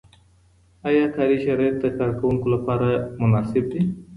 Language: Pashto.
آیا کاري شرایط د کارکوونکو لپاره مناسب دي؟